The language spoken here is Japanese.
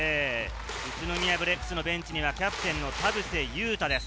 宇都宮ブレックスのベンチにはキャプテンの田臥勇太です。